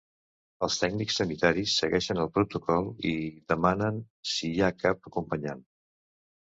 Els tècnics sanitaris segueixen el protocol i demanen si hi ha cap acompanyant.